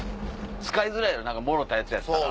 使いづらいやろもろたやつやったら。